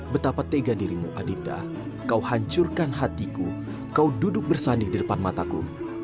betapa tega dirimu adinda kau hancurkan hatiku kau duduk bersanding di depan mataku